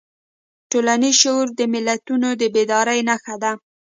ټولنیز شعور د ملتونو د بیدارۍ نښه ده.